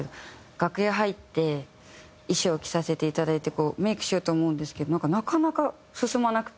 楽屋入って衣装着させていただいてメイクしようと思うんですけどなんかなかなか進まなくて。